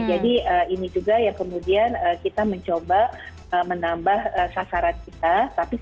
jadi ini juga ya kemudian kita mencoba menambah sasaran kita